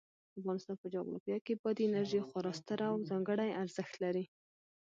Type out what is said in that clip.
د افغانستان په جغرافیه کې بادي انرژي خورا ستر او ځانګړی اهمیت لري.